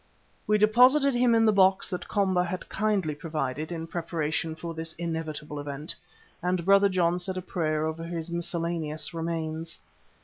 We deposited him in the box that Komba had kindly provided in preparation for this inevitable event, and Brother John said a prayer over his miscellaneous remains.